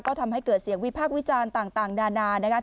ก็ทำให้เกิดเสียงวิพากษ์วิจารณ์ต่างนานานะคะ